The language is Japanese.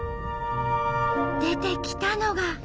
出てきたのが。